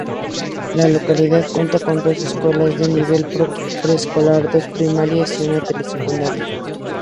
La localidad cuenta con dos escuelas de nivel preescolar, dos primarias y una telesecundaria.